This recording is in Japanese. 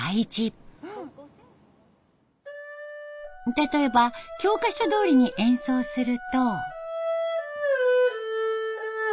例えば教科書どおりに演奏すると。